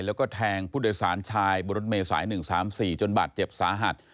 แล้วก็แทงผู้โดยสารชายบนรถเมษาย๑๓๔จนบาดเจ็บสาหัส